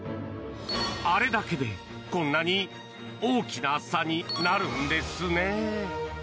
あれだけで、こんなに大きな差になるんですね。